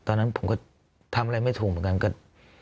ตอนนั้นผมก็ทำอะไรไม่ถูกเหมือนกันก็